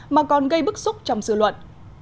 mà còn gây bức xúc trong sự luận